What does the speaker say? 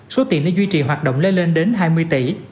số tiền để duy trì hoạt động lên đến hai mươi tỷ